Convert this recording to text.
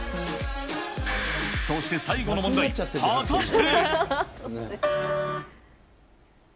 そして最後の問題、果たして？